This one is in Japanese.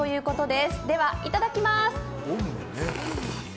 では、いただきまーす。